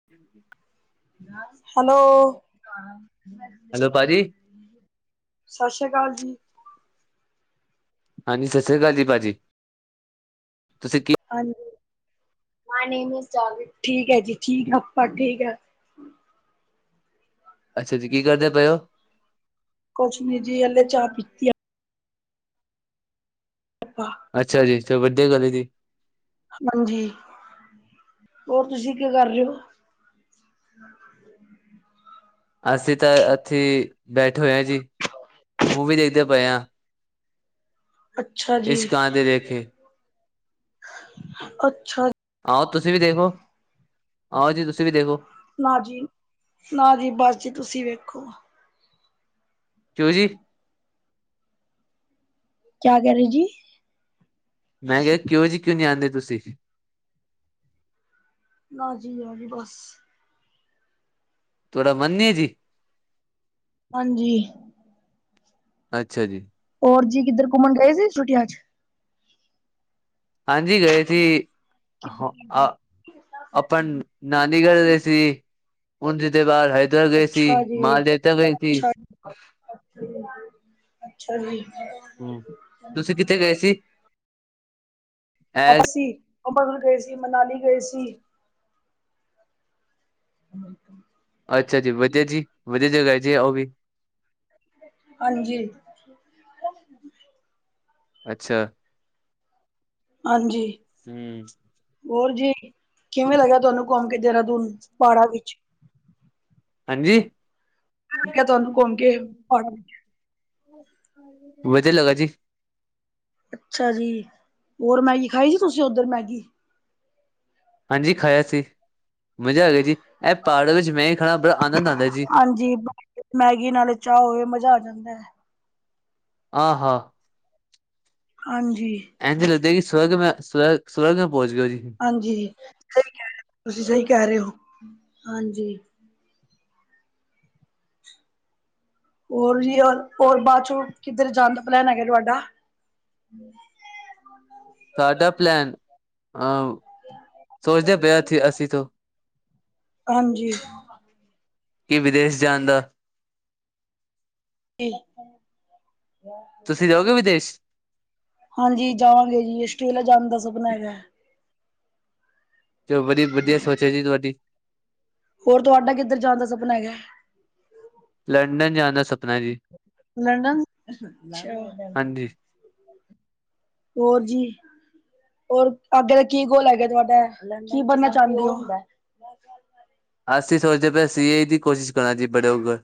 [inaudible] Hello. Hello ਭਾਜੀ ਸਤਿ ਸ੍ਰੀ ਅਕਾਲ ਜੀ। ਹਾਂਜੀ ਸਤਿ ਸ਼੍ਰੀ ਅਕਾਲ ਜੀ ਭਾਜੀ ਤੁਸੀਂ ਕੀ ਹਾਂਜੀ ਠੀਕ ਹੈ ਜੀ ਠੀਕ ਆ ਆਪਾ ਠੀਕ ਆ। ਅੱਛਾ ਜੀ ਕੀ ਕਰਦੇ ਪਏ ਹੋ ਕੁਛ ਨੀ ਜੀ ਹਲੇ ਚਾਹ ਪੀਤੀ ਹੈ ਆਪਾ। ਅੱਛਾ ਜੀ ਚਲੋ ਵਧੀਆ ਗੱਲ ਹੈ ਜੀ। ਹਾਂਜੀ ਹੋਰ ਤੁਸੀਂ ਕਿ ਕਰ ਰਹੇ ਹੋ। [unintelligible] ਅਸੀਂ ਤਾਂ ਇੱਥੇ ਬੈਠੇ ਹੋਏ ਹਾ ਜੀ ਮੂਵੀ ਦੇਖਦੇ ਪਏ ਹਾਂ। ਅੱਛਾ ਜੀ। ਇਸ਼ਕਾਂ ਦੇ ਲੇਖੇ ਅੱਛਾ ਆਓ ਤੁਸੀਂ ਵੀ ਜੀ। ਦੇਖੋ ਆਓ ਜੀ ਤੁਸੀਂ ਵੀ ਦੇਖੋ ਨਾ ਜੀ। ਨਾ ਜੀ ਬਸ ਜੀ ਤੁਸੀਂ ਵੇਖੋ। ਕਿਉ ਜੀ। ਕਿਆ ਕਹਿ ਰਹੇ ਜੀ। ਮੈਂ ਕਿਹਾ ਕਿਉਂ ਜੀ ਕਿਉਂ ਨਹੀਂ ਆਦੇ ਤੁਸੀਂ। ਨਾ ਜੀ, ਨਾ ਜੀ ਬਸ। ਤੁਹਾਡਾ ਮਨ ਨਹੀ ਜੀ। ਹਾਂਜੀ। ਅੱਛਾ ਜੀ। ਹੋਰ ਜੀ ਕਿੱਧਰ ਘੁੰਮਣ ਗਏ ਸੀ ਛੁੱਟੀਆਂ 'ਚ। ਹਾਂਜੀ ਗਏ ਸੀ। ਆਪਾਂ ਨਾਨੀਘਰ ਗਏ ਸੀ। ਉਜ ਤੇ ਬਸ ਏਧਰ ਗਏ ਸੀ। ਅੱਛਾ ਜੀ। ਮਾਲਦੇਵ ਗਏ ਸੀ। [unintelligible] ਅੱਛਾ ਅੱਛਾ ਜੀ। ਹੂੰ ਤੁਸੀਂ ਕਿੱਥੇ ਗਏ ਸੀ। ਐ ਅਸੀਂ ਆਪਾਂ ਥੋੜੇ ਗਏ ਸੀ ਮਨਾਲੀ ਗਏ ਸੀ। ਹਾਂ। ਅੱਛਾ ਜੀ ਵਧੀਆ ਜੀ ਵਧੀਆ ਜਗ੍ਹਾ ਹੈ ਜੀ ਆ ਉਹ ਵੀ। ਹਾਂਜੀ। [inaudible] ਅੱਛਾ। ਹਾਂਜੀ ਹੂੰ ਹੋਰ ਜੀ ਕਿਵੇਂ ਲੱਗਿਆ ਤੁਹਾਨੂੰ। ਘੁੰਮ ਕੇ ਦੇਹਰਾਦੂਨ ਪਹਾੜਾਂ ਵਿੱਚ। ਹਾਂਜੀ। ਫੇ ਤੁਹਾਨੂੰ ਘੁੰਮਕੇ ਪਹਾੜਾਂ ਵਿੱਚ [unintelligible] ਵਧੀਆ ਲੱਗਾ ਜੀ। ਅੱਛਾ ਜੀ ਹੋਰ ਮੈਗੀ ਖਾਈ ਜੀ ਤੁਸੀਂ ਉੱਧਰ ਮੈਗੀ? ਹਾਂਜੀ ਖਾਇਆ ਸੀ ਮਜ਼ਾ ਆ ਗਿਆ ਜੀ ਐ ਪਾੜ ਵਿੱਚ ਮੈਂ ਈ ਖਾਣਾ ਬੜਾ ਆਨੰਦ ਆਂਦਾ ਜੀ। ਹਾਂਜੀ [unintelligible] ਮੈਗੀ ਨਾਲ ਚਾਹ ਹੋਵੇ ਮਜ਼ਾ ਆ ਜਾਂਦੈ। ਆਹਾ। ਹਾਂਜੀ। ਐਂਜ ਲੱਦੇ ਕਿ ਸਵਰਗ ਮੈਂ ਸਵ ਸਵਰਗੈਂ ਪਹੁੰਚ ਗਿਆ ਜੀ। ਹਾਂਜੀ ਸਈ ਕੈ ਰੇ ਤੁਸੀਂ ਸਈ ਕੈ ਰੇ ਓ ਹਾਂਜੀ। ਹੋਰ ਜੀ ਓਰ ਹੋਰ ਬਾਦ ਚੋਂ ਕਿੱਧਰ ਜਾਣ ਦਾ ਪਲੈਨ ਹੈਗਾ ਤੁਹਾਡਾ? ਸਾਡਾ ਪਲੈਨ ਅਹ ਸੋਚਦੇ ਪਏ ਥੀ ਅਸੀਂ ਤੋਂ। ਹਾਂਜੀ। ਕੀ ਵਿਦੇਸ਼ ਜਾਣ ਦਾ। ਤੁਸੀਂ ਜਾਓਗੇ ਵਿਦੇਸ਼ [unintelligible] ਹਾਂਜੀ ਜਾਵਾਂਗੇ ਜੀ ਆਸਟ੍ਰੇਲੀਆ ਜਾਣ ਦਾ ਸਪਨਾ ਹੈਗੈ। ਚਲੋ ਵਧੀਆ ਵਧੀਆ ਸੋਚ ਆ ਜੀ ਤੁਹਾਡੀ। ਹੋਰ ਤੁਹਾਡਾ ਕਿੱਧਰ ਜਾਣ ਦਾ ਸਪਨਾ ਹੈਗੈ? ਲੰਡਨ ਜਾਣ ਦਾ ਸ ਲੰਡਨ [unintelligible] ਅੱਛਾ ਹਾਂਜੀ ਹੋਰ ਜੀ? ਹੋਰ ਅੱਗੇ ਦਾ ਕੀ ਗੋਲ ਹੈਗੈ ਤੁਹਾਡਾ ਕੀ ਬਣਨਾ ਚਾਂਦੇ ਓ? ਅਸੀਂ ਸੋਚਦੇ ਪਏ ਸੀ ਆਈ ਦੀ ਕੋਸ਼ਿਸ਼ ਕਰਨਾ ਜੀ ਬੜੇ ਹੋ ਕੇ।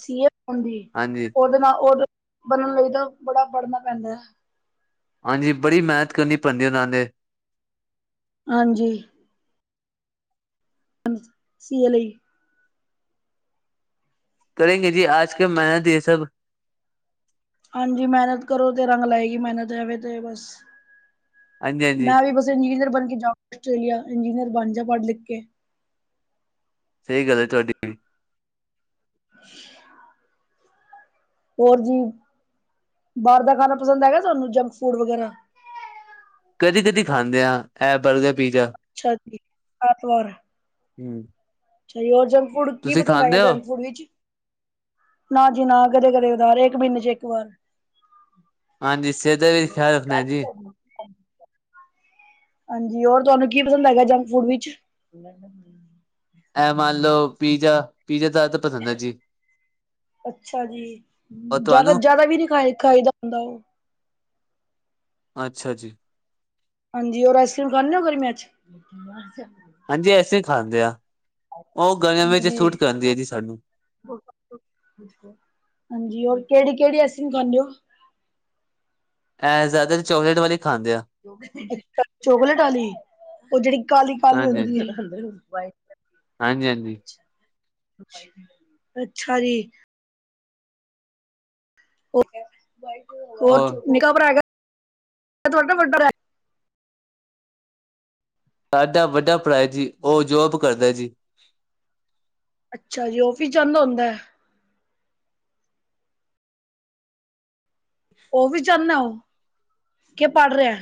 ਸੀ ਏ ਬਣਨ ਦੀ ਹਾਂਜੀ [unintelligible] ਓਦੇ ਨਾਲ ਓ ਬਣਨ ਲਈ ਤਾਂ ਬੜਾ ਪੜਨਾ ਪੈਂਦੈ। ਹਾਂਜੀ ਬੜੀ ਮੇਹਨਤ ਕਰਨੀ ਪੈਂਦੀ ਓਨਾਂ ਦੇ। ਹਾਂਜੀ। ਸੀਏ ਲਈ। ਕਰੇਗੇ ਜੀ ਆਜ ਕੇ ਮੇਹਨਤ ਏ ਸਭ। ਹਾਂਜੀ ਮੇਹਨਤ ਕਰੋ ਤੇ ਰੰਗ ਲਾਏਗੀ ਮੇਹਨਤ ਹੈਵੇ ਤੇ ਬਸ ਹਾਂਜੀ ਹਾਂਜੀ ਮੈਂ ਵੀ ਬਸ ਇੰਜੀਨੀਅਰ ਬਣ ਕੇ ਜਾਓ ਆਸਟ੍ਰੇਲਿਆ ਇੰਜਨੀਅਰ ਬਣ ਜਾ ਪੜ੍ਹ ਲਿਖ ਕੇ। ਸਈ ਗੱਲ ਐ ਤੁਹਾਡੀ। [unintelligible] ਹੋਰ ਜੀ ਬਾਰ ਦਾ ਖਾਣਾ ਪਸੰਦ ਹੈਗਾ ਤੁਹਾਨੂੰ ਜੰਕ ਫੂਡ ਵਗੈਰਾ? ਕਦੀ-ਕਦੀ ਖਾਂਦੇ ਆ, ਐ ਬਰਗਰ ਪੀਜ਼ਾ। ਅੱਛਾ ਜੀ ਐਂਤਵਾਰ। ਹੂੰ। ਅੱਛਾ ਜੀ ਹੋਰ ਜੰਕ ਫੂਡ ਕੀ ਪਸੰਦ ਹੈਗਾ ਹੋ ਜੰਕ ਫੂਡ ਵਿੱਚ? ਨਾ ਜੀ ਨਾ ਕਦੇ-ਕਦੇ ਉਧਾਰ ਇੱਕ ਮਿੰਨੇ ਚ ਇੱਕ ਵਾਰ। ਹਾਂਜੀ ਸਿਹਤ ਦਾ ਵੀ ਖਿਆਲ ਰੱਖਣਾ ਐ ਜੀ। ਹਾਂਜੀ ਹੋਰ ਤੁਹਾਨੂੰ ਕੀ ਪਸੰਦ ਹੈਗਾ ਜੰਕ ਫੂਡ ਵਿਚ? ਐ ਮੰਨ ਲੋ ਪੀਜ਼ਾ, ਪੀਜ਼ਾ ਦਾ ਤਾਂ ਪਸੰਦ ਹੈ ਜੀ ਅੱਛਾ ਜੀ, ਔਰ ਜਿਆਦਾ ਤੁਹਾਨੂੰ ਜਿਆਦਾ ਵੀ ਨੀ ਖਾਈ ਖਾਈਦਾ ਹੁੰਦਾ ਉਹ। ਅੱਛਾ ਜੀ। ਹਾਂਜੀ ਔਰ ਆਈਸਕ੍ਰੀਮ ਖਾਂਨੇ ਓ ਗਰਮੀਆਂ ਚ? ਹਾਂਜੀ ਅਸੀਂ ਖਾਂਦੇ ਆ। ਉਹ ਗਰਮ ਵਿੱਚ ਸੂਟ ਕਰਦੀ ਐ ਜੀ ਸਾਨੂੰ। ਓਕੇ ਹਾਂਜੀ ਹੋਰ ਕਿਹੜੀ-ਕਿਹੜੀ ਆਈਸ ਕ੍ਰੀਮ ਖਾਂਦੇ ਓ? ਐ ਜਾਦਾ ਤਾਂ ਚੌਕਲੇਟ ਵਾਲੀ ਖਾ ਚੋਕਲੇਟ ਵਾਲੀ, ਉਹ ਜਿਹੜੀ ਕਾਲੀ-ਕਾਲੀ ਹੁੰਦੀ। ਬਾਏ ਹਾਂਜੀ-ਹਾਂਜੀ। ਅੱਛਾ ਜੀ ਹੋਰ ਉਹ ਨਿੱਕਾ ਭਰਾ ਹੈਗਾ ਤੁਹਾਡਾ ਵੱਡਾ ਭਰਾ? ਸਾਡਾ ਵੱਡਾ ਭਰਾ ਹੈ ਜੀ ਉਹ ਜੋਬ ਕਰਦਾ ਜੀ। ਅੱਛਾ ਜੀ ਆਫਿਸ ਜਾਂਦਾ ਹੁੰਦਾ? ਆਫਿਸ ਜਾਨਾ ਉਹ ਕਿ ਪੜ੍ਹ ਰਿਹਾ?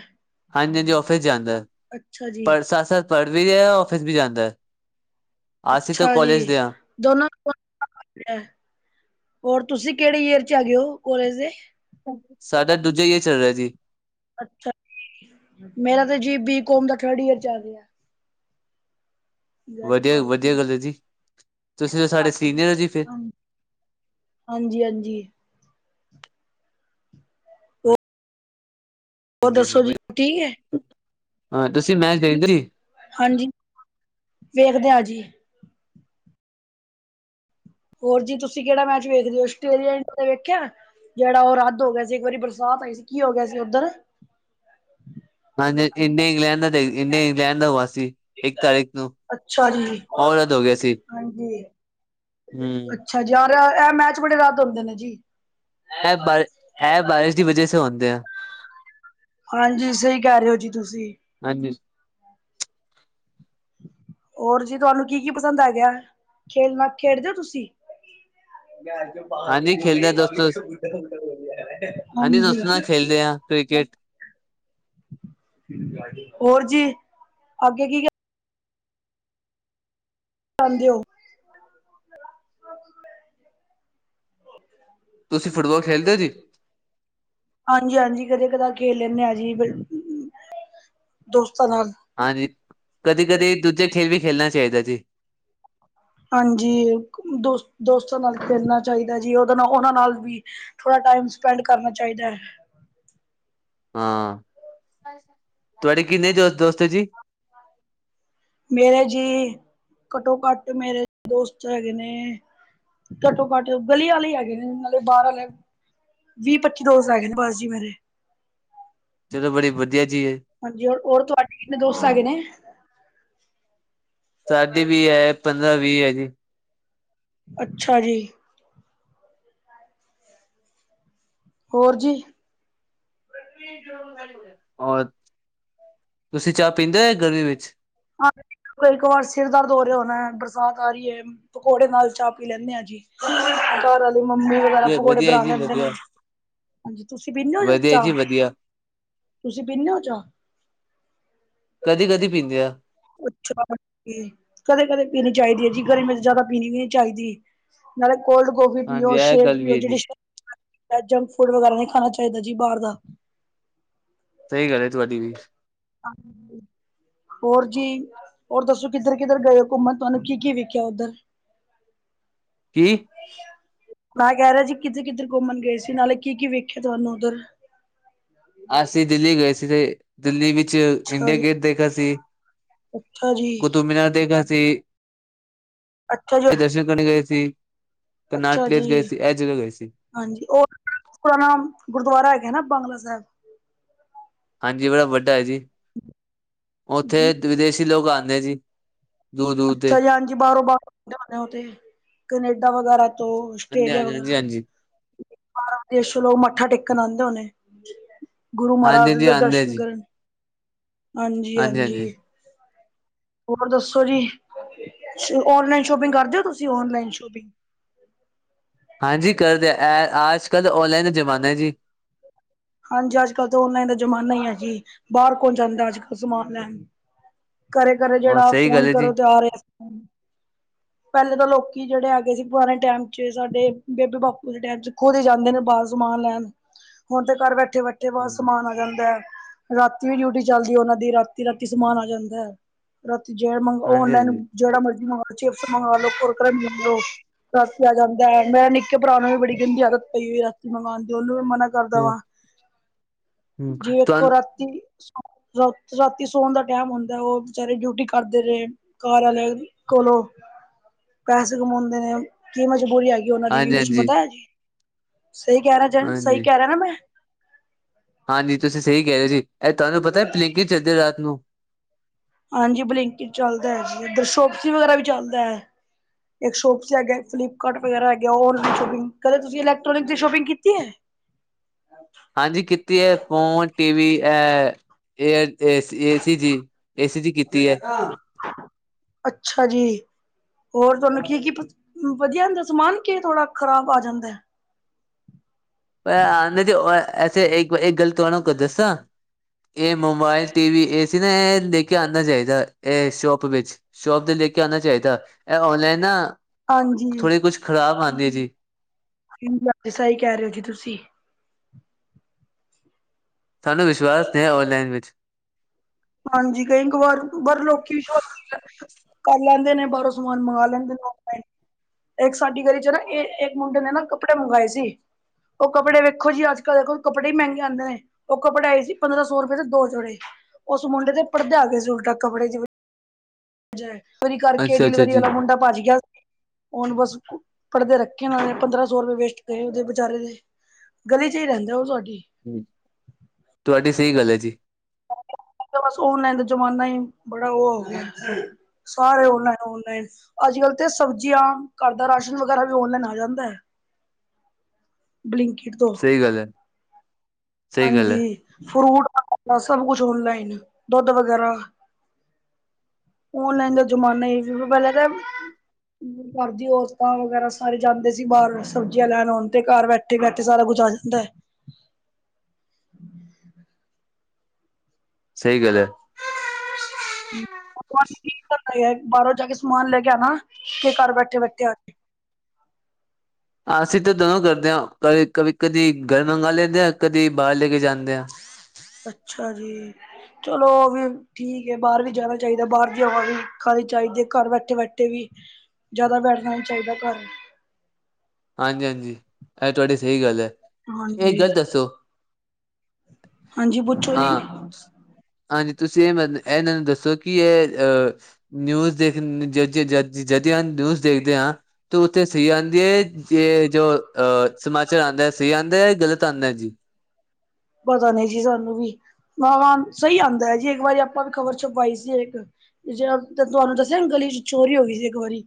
ਹਾਂਜੀ-ਹਾਂਜੀ ਔਫਿਸ ਜਾਂਦਾ, ਅੱਛਾ ਜੀ ਪੜ੍ਹ ਸਾਥ-ਸਾਥ ਪੜ੍ਹ ਵੀ ਰਿਹਾ ਔਫਿਸ ਵੀ ਜਾਂਦਾ। ਅਸੀਂ ਤਾਂ ਅੱਛਾ ਜੀ ਕਾਲਜ ਦੇ ਹਾਂ ਦੋਨਾਂ [unintelligible] ਹੋਰ ਤੁਸੀਂ ਕਿਹੜੇ ਈਅਰ ਚ ਹੈਗੇ ਉਹ ਕੋਲੇਜ ਦੇ? ਸਾਡਾ ਦੂਜਾ ਯੀਅਰ ਚੱਲ ਰਿਹਾ ਜੀ। ਅੱਛਾ ਜੀ ਮੇਰਾ ਤੇ ਜੀ ਬੀ ਕੌਮ ਦਾ ਥਰਡ ਈਅਰ ਚਲ ਰਿਹਾ। ਹਾਂਜੀ, ਵਧੀਆ ਵਧੀਆ ਹਾਂਜੀ, ਗੱਲ ਹੈ ਜੀ ਤੁਸੀਂ ਤਾਂ ਸਾਡੇ ਸੀਨੀਅਰ ਹੋ ਜੀ ਫਿਰ। ਹਾਂਜੀ-ਹਾਂਜੀ। ਹੋਰ ਹਾਂਜੀ ਦੱਸੋ ਜੀ ਹਾਂਜੀ ਠੀਕ ਹੈ? ਹਾਂ ਤੁਸੀਂ ਮੈਚ ਦੇਖਦੇ ਜੀ ਹਾਂਜੀ, ਵੇਖਦੇ ਹਾਂ ਜੀ। ਹੋਰ ਜੀ ਤੁਸੀਂ ਕਿਹੜਾ ਮੈਚ ਵੇਖਦੇ ਹੋ ਆਸਟ੍ਰੇਲੀਆ ਇੰਡੀਆ ਦਾ ਵੇਖਿਆ? ਜਿਹੜਾ ਉਹ ਰੱਦ ਹੋ ਗਿਆ ਸੀ ਇੱਕ ਵਾਰੀ ਬਰਸਾਤ ਆਈ ਸੀ ਕੀ ਹੋ ਗਿਆ ਸੀ ਉੱਧਰ। ਹਾਂਜੀ ਇੰਡੀਆ ਇੰਗਲੈਂਡ ਦਾ ਇੰਡੀਆ ਇੰਗਲੈਂਡ ਦਾ ਹੋਵਾ ਸੀ ਇੱਕ ਤਾਰੀਖ ਨੂੰ। ਅੱਛਾ ਉਹ ਰੱਦ ਹੋ ਗਿਆ ਸੀ। ਹਾਂਜੀ। ਹਮ ਅੱਛਾ ਜੀ ਯਾਰ ਇਹ ਮੈਚ ਬੜੇ ਰੱਦ ਹੁੰਦੇ ਨੇ ਜੀ। ਇਹ ਬਾਰ ਇਹ ਬਾਰਿਸ਼ ਦੀ ਵਜ੍ਹਾ ਤੇ ਹੁੰਦੇ ਆ। ਹਾਂਜੀ ਸਹੀ ਕਹਿ ਰਹੇ ਹੋ ਜੀ ਤੁਸੀਂ। ਹਾਂਜੀ ਹੋਰ ਜੀ ਤੁਹਾਨੂੰ ਕੀ-ਕੀ ਪਸੰਦ ਹੈਗਾ, ਖੇਲਨਾ ਖੇਡਦੇ ਹੋ ਤੁਸੀਂ? ਹਾਂਜੀ ਖੇਲਦੇ ਆ ਦੋਸਤੋ ਹਾਂਜੀ ਦੋਸਤੋ ਨਾਲ ਖੇਲਦੇ ਆ ਕ੍ਰਿਕਟ ਹੋਰ ਜੀ, ਅੱਗੇ ਕੀ ਕਰਦੇ ਓ? ਤੁਸੀਂ ਫੁੱਟਬਾਲ ਖੇਲਦੇ ਹੋ ਜੀ [unintelligible] ਹਾਂਜੀ-ਹਾਂਜੀ ਕਦੇ ਕਦਾ ਖੇਲ ਲੈਨੇ ਆ ਜੀ। ਦੋਸਤਾਂ ਨਾਲ। ਹਾਂਜੀ, ਕਦੀ-ਕਦੀ ਦੂਜੇ ਖੇਲ ਵੀ ਖੇਲਣਾ ਚਾਹੀਦਾ ਜੀ। ਹਾਂਜੀ ਦੋਸਤ ਦੋਸਤਾਂ ਨਾਲ ਖੇਲਣਾ ਚਾਹੀਦਾ ਜੀ ਉਹਦੇ ਨਾਲ ਉਹਨਾਂ ਨਾਲ ਵੀ ਥੋੜਾ ਟਾਈਮ ਸਪੈਂਡ ਕਰਨਾ ਚਾਹੀਦਾ ਹੈ। ਹਾਂ, ਤੁਹਾਡੇ ਕਿੰਨੇ ਦੋਸਤ ਦੋਸਤ ਆ ਜੀ? ਮੇਰੇ ਜੀ ਘੱਟੋ ਘੱਟ ਮੇਰੇ ਦੋਸਤ ਹੈਗੇ ਨੇ। ਘੱਟੋ ਘੱਟ ਗਲੀ ਵਾਲੇ ਹੈਗੇ ਨੇ ਨਾਲੇ ਬਾਹਰ ਵਾਲੇ ਵੀਹ ਪੱਚੀ ਦੋਸਤ ਹੈਗੇ ਨੇ ਬਸ ਜੀ ਮੇਰੇ। ਚਲੋ ਬੜੀ ਵਧੀਆ ਚੀਜ਼ ਏ। ਹਾਂਜੀ ਹੋਰ ਹੋਰ ਤੁਹਾਡੇ ਕਿੰਨੇ ਦੋਸਤ ਹੈਗੇ ਨੇ। ਸਾਡੇ ਵੀ ਹੈ ਪੰਦਰਾਂ ਵੀਹ ਹੈ ਜੀ। ਅੱਛਾ ਜੀ ਹੋਰ ਜੀ। ਹੋਰ ਤੁਸੀਂ ਚਾਹ ਪੀਂਦੇ ਹੋ ਐ ਗਰਮੀ ਵਿੱਚ। ਹਾਂ ਇੱਕ ਵਾਰ ਸਿਰ ਦਰਦ ਹੋ ਰਿਹਾ ਹੋਣਾ ਬਰਸਾਤ ਆ ਰਹੀ ਹੈ। ਪਕੌੜੇ ਨਾਲ ਚਾਹ ਪੀ ਲੈਂਦੇ ਆ ਜੀ। ਮੰਮੀ ਵਗੈਰਾ ਪਕੌੜੇ ਵਧੀਆ ਬਣਾ ਜੀ ਲੈਂਦੇ ਵਧੀਆ, ਨੇ। ਤੁਸੀਂ ਪੀਂਦੇ ਹੋ ਵਧੀਆ ਜੀ ਚਾਹ। ਵਧੀਆ, ਤੁਸੀਂ ਪੀਨੇ ਹੋ ਚਾਹ। ਕਦੇ ਕਦੀ ਕਦੇ ਕਦੀ ਪੀਨੇ ਪੀਂਦੇ ਆ। ਅੱਛਾ ਜੀ। ਕਦੇ-ਕਦੇ ਪੀਣੀ ਚਾਹੀਦੀ ਹੈ ਜੀ, ਗਰਮੀ ਚ ਜ਼ਿਆਦਾ ਪੀਣੀ ਵੀ ਨੀ ਚਾਹੀਦੀ। ਨਾਲੇ ਕੋਲਡ ਕੋੋਫੀ ਹਾਂਜੀ ਪੀਓ ਇਹ ਸ਼ੇਕ ਗੱਲ ਵੀ ਪੀਓ ਹੈ ਜਿਹੜੀ ਜੀ, ਜੰਕ ਫੂਡ ਵਗੈਰਾ ਨਹੀਂ ਖਾਣਾ ਚਾਹੀਦਾ ਜੀ ਬਾਹਰ ਦਾ। ਸਹੀ ਗੱਲ ਏ ਤੁਹਾਡੀ ਵੀ। [inaudible] ਹੋਰ ਜੀ ਹੋਰ ਦੱਸੋ ਕਿੱਧਰ ਕਿੱਧਰ ਗਏ ਹੋ ਘੁੰਮਣ ਤੁਹਾਨੂੰ ਕੀ ਕੀ ਵਿਖਿਆ ਉੱਧਰ। [inaudible] ਕੀ ਮੈਂ ਕਹਿ ਰਿਹਾ ਜੀ ਕਿਥੇ ਕਿਥੇ ਘੁੰਮਣ ਗਏ ਸੀ ਨਾਲੇ ਕੀ ਕੀ ਵੇਖਿਆ ਤੁਹਾਨੂੰ ਉਧਰ। ਅਸੀਂ ਦਿੱਲੀ ਗਏ ਸੀ। ਤੇ ਦਿੱਲੀ ਵਿੱਚ ਅੱਛਾ ਇੰਡੀਆ ਜੀ, ਗੇਟ ਦੇਖਿਆ ਸੀ। ਅੱਛਾ ਕੁਤੁਬ ਜੀ, ਮੀਨਾਰ ਦੇਖਿਆ ਸੀ। ਅੱਛਾ ਇਹ ਜੀ, ਦਰਸ਼ਨ ਕਰਨੀ ਗਏ ਸੀ। ਕਰਨਾਟ ਅੱਛਾ ਜੀ। ਪਲੇਸ ਗਏ ਸੀ, ਇਹ ਜਗ੍ਹਾ ਗਏ ਸੀ, ਹਾਂਜੀ ਉਹ ਆਪਣਾ ਗੁਰਦੁਆਰਾ ਹੈਗਾ ਨਾ ਬਾਂਗਲਾ ਸਾਹਿਬ। ਹਾਂਜੀ ਬੜਾ ਵੱਡਾ ਹੈ ਜੀ। ਉੱਥੇ ਵਿਦੇਸ਼ੀ ਲੋਕ ਆਉਂਦੇ ਆ ਜੀ। ਦੂਰ ਦੂਰ ਦੇ, ਅੱਛਾ ਜੀ। ਹਾਂਜੀ ਬਾਹਰੋਂ ਬਾਹਰੋਂ ਜਾਣੇ ਆਦੇ ਉਥੇ। ਕਨੇਡਾ ਵਗੈਰਾ ਤੋਂ ਹਾਂਜੀ ਆਸਟ੍ਰੇਲੀਆ ਹਾਂਜੀ ਹਾਂਜੀ। ਵਗੈਰਾ ਹਾਂਜੀ ਤੋ। ਬਾਹਰੋ ਦੇਸ਼ ਚੋਂ ਲੋਕ ਮੱਥਾ ਟੇਕਣ ਆਉਂਦੇ ਹੋਣੇ ਗੁਰੂ ਮਹਾਰਾਜ ਹਾਂਜੀ ਹਾਂਜੀ ਦੇ ਆਉਂਦੇ ਦਰਸ਼ਨ ਜੀ, ਕਰਨ। ਹਾਂਜੀ ਹਾਂਜੀ। ਹਾਂਜੀ-ਹਾਂਜੀ। ਹੋਰ ਦੱਸੋ ਜੀ ਔਨਲਾਈਨ ਸ਼ੋਪਿੰਗ ਕਰਦੇ ਹੋ ਤੁਸੀਂ ਓਨਲਾਈਨ ਸ਼ੋਪਿੰਗ। [inaudible] ਹਾਂਜੀ ਕਰਦੇ ਅਜ ਕੱਲ੍ਹ ਔਨਲਾਈਨ ਦਾ ਜ਼ਮਾਨਾ ਹੈ ਜੀ। ਹਾਂਜੀ ਅੱਜ ਕੱਲ੍ਹ ਤਾਂ ਔਨਲਾਈਨ ਦਾ ਜ਼ਮਾਨਾ ਹੀ ਹੈ ਜੀ ਬਾਹਰ ਕੌਣ ਜਾਂਦਾ ਅੱਜ ਕੱਲ੍ਹ ਸਮਾਨ ਲੈਣ। ਘਰੇ ਘਰੇ ਜਿਹੜਾ ਸਹੀ ਗੱਲ ਫੋਨ ਹੈ ਜੀ, ਕਰੋ ਤੇ ਆ ਰਿਹਾ। ਪਹਿਲੇ ਤਾਂ ਲੋਕੀ ਜਿਹੜੇ ਹੈਗੇ ਸੀ ਪੁਰਾਣੇ ਟਾਈਮ ਚ ਸਾਡੇ ਬੇਬੇ ਬਾਪੂ ਦੇ ਟਾਈਮ ਚ ਖੁਦ ਹੀ ਜਾਂਦੇ ਨੇ ਬਾਹਰ ਸਮਾਨ ਲੈਣ ਹੁਣ ਤੇ ਘਰ ਬੈਠੇ ਬੈਠੇ ਬਸ ਹਾਂਜੀ ਸਮਾਨ ਆ ਜਾਂਦਾ ਹੈ। ਰਾਤੀ ਵੀ ਡਿਊਟੀ ਚੱਲਦੀ ਉਹਨਾ ਦੀ ਰਾਤੀ ਰਾਤੀ ਸਮਾਨ ਆ ਜਾਂਦਾ ਹੈ ਰਾਤੀ ਜਿਹੜ ਮੰਗ ਔਨਲਾਈਨ ਹਾਂਜੀ। ਜਿਹੜਾ ਮਰਜ਼ੀ ਮੰਗਵਾ ਲੋ ਚਿਪਸ ਮੰਗਵਾ ਲੋੋ ਕੁਰਕੁਰੇ ਮੰਗਾ ਲੋ ਰਾਤੀ ਆ ਜਾਂਦਾ ਹੈ ਮੇਰੇ ਨਿੱਕੇ ਭਰਾ ਨੂੰ ਵੀ ਬੜੀ ਗੰਦੀ ਆਦਤ ਪਈ ਹੋਈ ਰਾਤੀ ਮੰਗਵਾਉਣ ਦੀ ਉਹਨੂੰ ਵੀ ਮਨਾ ਕਰਦਾ ਹੂੰ, ਵਾਂ। ਹੂੰ ਜੀ ਵੇਖੋ ਤੁਹਾਨੂੰ ਰਾਤੀ ਰਾਤੀ ਸੌਣ ਦਾ ਟਾਈਮ ਹੁੰਦਾ ਉਹ ਵਿਚਚਾਰੇ ਡਿਊਟੀ ਕਰਦੇ ਰਹੇ। ਘਰ ਵਾਲੇ ਕੋਲੋਂ ਪੈਸੇ ਕਮਾਉਂਦੇ ਨੇ ਕੀ ਮਜਬੂਰੀ ਹੈਗੀ। ਉਹਨਾਂ ਦੀ ਵੀ ਕੁੱਛ ਹਾਂਜੀ-ਹਾਂਜੀ, ਹਾਂਜੀ। ਪਤਾ ਹੈ ਜੀ ਸਹੀ ਕਹਿ ਰਿਹਾ ਜ ਸਹੀ ਹਾਂਜੀ ਕਹਿ ਰਿਹਾ ਨਾ ਮੈਂ। ਹਾਂਜੀ ਤੁਸੀਂ ਸਹੀ ਕਹਿ ਰਹੇ ਜੀ ਇਹ ਤੁਹਾਨੂੰ ਪਤਾ ਪਲਿੰਕ ਚੱਲਦੇ ਰਾਤ ਨੂੰ। ਹਾਂਜੀ ਬਲਿੰਕਿਟ ਚੱਲਦਾ ਹੈ ਜੀ। ਇਧਰ ਸੋਪਸੀ ਵਗੈਰਾ ਵੀ ਚੱਲਦਾ ਹੈ। ਇੱਕ ਸ਼ੋਪਸੀ ਹੈਗਾ ਫਲਿਪਕਾਰਟ ਵਗੈਰਾ ਹੈਗਾ ਔਨਲਾਈਨ ਸ਼ੋਪਿੰਗ ਕਦੇ ਤੁਸੀਂ ਇਲੈਕਟੋਨਿਕ ਦੀ ਸ਼ੋਪਿੰਗ ਕੀਤੀ ਹੈ। [inaudible] ਹਾਂਜੀ ਕੀਤੀ ਹੈ ਫੋਨ ਟੀਵੀ ਅ ਏ ਏ ਸੀ ਜੀ। ਏ ਸੀ ਜੀ ਕੀਤੀ ਹੈ। ਅੱਛਾ ਜੀ। ਹੋਰ ਤੁਹਾਨੂੰ ਕੀ ਕੀ ਵਧੀਆ ਆਦਾ ਸਮਾਨ ਕਿ ਥੋੜ੍ਹਾ ਖ਼ਰਾਬ ਆ ਜਾਂਦਾ ਏ। [unintelligible] ਇਹ ਮੋਬਾਇਲ ਟੀ ਵੀ ਇਹ ਸੀ ਨਾ ਇਹ ਦੇ ਕੇ ਆਉਣਾ ਚਾਹੀਦਾ ਇਹ ਸ਼ੋਪ ਵਿੱਚ। ਸ਼ੋਪ ਦੇ ਲੈ ਕੇ ਆਉਣਾ ਚਾਹੀਦਾ ਇਹ ਔਨਲਾਈਨ ਨਾ ਹਾਂਜੀ ਥੋੜ੍ਹੀ ਕੁਛ ਖ਼ਰਾਬ ਆਉਂਦੀ ਹੈ ਜੀ। ਸਹੀ ਕਹਿ ਰਹੇ ਹੋ ਜੀ ਤੁਸੀਂ। ਵਿਸ਼ਵਾਸ ਨੇ ਔਨਲਾਈਨ ਵਿੱਚ। ਹਾਂਜੀ ਕਈ ਇੱਕ ਵਾਰ ਪਰ ਲੋਕੀ ਵਿਸ਼ਵਾਸ ਕਰ ਲੈਂਦੇ ਨੇ ਬਾਹਰੋਂ। ਸਮਾਨ ਮੰਗਾ ਲੈਂਦੇ ਨ। ਇੱਕ ਸਾਡੀ ਗਲੀ ਚ ਨਾ ਇੱਕ ਮੁੰਡੇ ਨੇ ਨਾ ਕੱਪੜੇ ਮੰਗਵਾਏ ਸੀ। ਉਹ ਕੱਪੜ ਵੇਖੋ ਜੀ ਅੱਜ ਕੱਲ ਦੇਖੋ ਕੱਪੜੇ ਹੀ ਮਹਿੰਗੇ ਆਉਂਦੇ ਨੇ। ਉਹ ਕੱਪੜਾਏ ਸੀ ਪੰਦਰਾਂ ਸੌ ਰੁਪਏ ਦੇ ਦੋ ਜੋੜੇ ਉਸ ਮੁੰਡੇ ਤੇ ਗਏ ਸੀ ਉਲਟਾ ਕਪੜੇ ਕਰਕੇ ਅੱਛਾ-ਅੱਛਾ ਡਿਲੀਵਰੀ ਜੀ। ਵਾਲਾ ਮੁੰਡਾ ਭੱਜ ਗਿਆ ਹੁਣ ਬਸ ਪੜ੍ਹਦੇ ਰੱਖੇ ਪੰਦਰਾਂ ਸੌ ਰੁਪਏ ਵੇਸਟ ਕਰ ਉਹਦੇ ਬੇਚਾਰੇ ਦੇ ਗਲੀ ਚ ਹੀ ਰਹਿੰਦਾ ਉਹ ਤੁਹਾਡੀ ਤੁਹਾਡੀ ਸਹੀ ਗੱਲ ਹੈ ਜੀ ਬਸ ਓਨਲਾਈਨ ਦਾ ਜ਼ਮਾਨਾ ਹੀ ਬੜਾ ਉਹ ਹੋ ਗਿਆ ਸਾਰੇ ਔਨਲਾਈਨ-ਔਨਲਾਈਨ ਅੱਜ ਕਲ੍ਹ ਤੇ ਸਬਜ਼ੀਆਂ ਘਰ ਦਾ ਰਾਸ਼ਨ ਵਗੈਰਾ ਵੀ ਔਨਲਾਈਨ ਆ ਜਾਂਦਾ ਹੈ ਬਲਿੰਕਟ ਤੋਂ ਗੱਲ ਹੈ ਸਹੀ ਗੱਲ ਹਾਂਜੀ ਹੈ ਫਰੂਟ ਸਬ ਕੁਛ ਓਨਲਾਈਨ ਦੁੱਧ ਵਗੈਰਾ ਓਨਲਾਈਨ ਦਾ ਜ਼ਮਾਨਾ ਸੀ ਪਹਿਲਾਂ ਤਾਂ ਘਰ ਦੀ ਔਰਤਾਂ ਵਗੈਰਾ ਸਾਰੇ ਜਾਂਦੇ ਸੀ ਬਾਹਰ ਸਬਜ਼ੀਆਂ ਲੈਣ ਆਉਣ ਤੇ ਘਰ ਬੈਠੇ-ਬੈਠੇ ਸਾਰਾ ਕੁੱਝ ਆ ਜਾਂਦਾ ਹੈ ਸਹੀ ਗੱਲ ਐ ਬਾਹਰੋਂ ਜਾ ਕੇ ਸਮਾਨ ਲੈ ਕੇ ਆਣਾ ਕਿ ਘਰ ਬੈਠੇ-ਬੈਠੇ ਆ ਅਸੀਂ ਤਾਂ ਦੋਨੋਂ ਕਰਦੇ ਹਾਂ ਕ ਕਦੇ ਕਦੀ ਘਰ ਮੰਗਾ ਲੈਂਦੇ ਹਾਂ ਕਦੀ ਬਾਹਰ ਲੈ ਕੇ ਜਾਂਦੇ ਹਾਂ ਅੱਛਾ ਜੀ ਚਲੋ ਵੀ ਠੀਕ ਏ ਬਾਹਰ ਵੀ ਜਾਣਾ ਚਾਹੀਦਾ ਬਾਹਰ ਜਾਵਾਂ ਵੀ ਖਾਣੀ ਚਾਹੀਦੀ ਹੈ ਘਰ ਬੈਠੇ-ਬੈਠੇ ਵੀ ਜ਼ਿਆਦਾ ਬੈਠਣਾ ਨਹੀਂ ਚਾਹੀਦਾ ਘਰ ਹਾਂਜੀ-ਹਾਂਜੀ ਇਹ ਤੁਹਾਡੀ ਸਹੀ ਗੱਲ ਹੈ ਇਹ ਹਾਂਜੀ ਗੱਲ ਦੱਸੋ ਹਾਂਜੀ ਪੁੱਛੋ ਜੀ ਹਾਂ ਹਾਂਜੀ ਤੁਸੀਂ ਇਹ ਮ ਇਹਨਾਂ ਨੂੰ ਦੱਸੋ ਕਿ ਇਹ ਅਹ ਨਿਊਜ਼ ਦੇਖ ਜ ਜਦੀ ਨਿਊਜ਼ ਦੇਖਦੇ ਹਾਂ ਤੇ ਉੱਥੇ ਸਹੀ ਆਂਦੀ ਹੈ ਇਹ ਜੋ ਅਹ ਸਮਾਚਾਰ ਆਉਂਦਾ ਸਹੀ ਆਉਂਦਾ ਹੈ ਗ਼ਲਤ ਆਉਂਦਾ ਜੀ ਪਤਾ ਨਹੀਂ ਜੀ ਸਾਨੂੰ ਵੀ ਹ ਸਹੀ ਆਉਂਦਾ ਜੀ ਇੱਕ ਵਾਰੀ ਆਪਾਂ ਵੀ ਖ਼ਬਰ ਛੁਪਾਈ ਸੀ ਇੱਕ ਜਿਹੜਾ ਤੁਹਾਨੂੰ ਦੱਸਿਆ ਗਲੀ ਚ ਚੋਰੀ ਹੋ ਗਈ ਸੀ ਇੱਕ ਵਾਰੀ